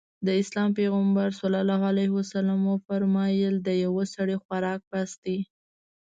د اسلام پيغمبر ص وفرمايل د يوه سړي خوراک بس دی.